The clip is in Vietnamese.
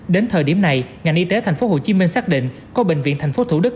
đến thời điểm này ngành y tế tp hcm xác định có bệnh viện tp thủ đức